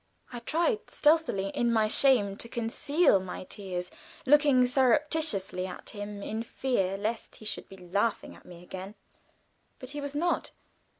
I tried stealthily and in shame to conceal my tears, looking surreptitiously at him in fear lest he should be laughing at me again. But he was not.